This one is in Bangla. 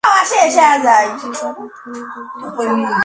তুমি একজন ক্যাপ্টেন যা তাৎক্ষণিক বলবৎ হবে।